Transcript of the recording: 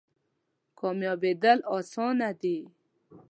کامیابیدل اسانه دی؟